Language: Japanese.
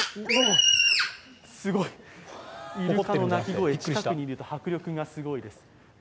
すごい、イルカの鳴き声、近くにいると迫力がすごいです。